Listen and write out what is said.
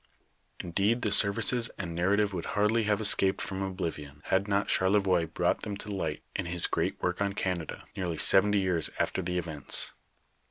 * "Indeed the services and narrative would hardly have es caped from oblivion, had not Charlevoix brought them to liglit in his great work on Canada, nearly seventy years after the event8."